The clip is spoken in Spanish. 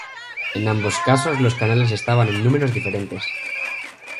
En ambos casos, los canales estaban en números diferentes.